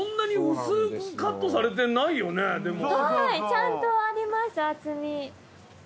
ちゃんとあります厚み。